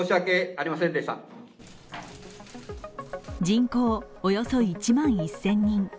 人口およそ１万１０００人。